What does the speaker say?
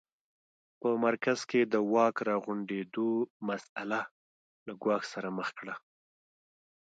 په مرکز کې د واک راغونډېدو مسٔله له ګواښ سره مخ کړه.